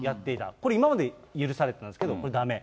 これ、今まで許されていたんですけれども、これだめ。